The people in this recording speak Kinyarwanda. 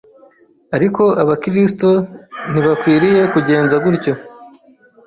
Ariko Abakristo ntibakwiriye kugenza gutyo,